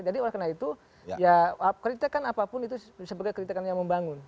jadi karena itu kritikan apapun itu sebagai kritikan yang membangun